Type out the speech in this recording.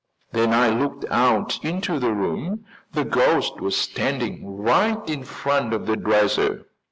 When I looked out into the room the ghost was standing right in front of the dresser.